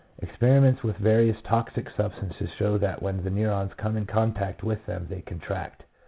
Experiments with various toxic substances show that when the neurons come in contact with them they contract.